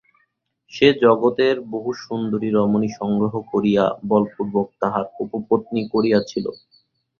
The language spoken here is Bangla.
সে জগতের বহু সুন্দরী রমণী সংগ্রহ করিয়া বলপূর্বক তাহার উপপত্নী করিয়াছিল।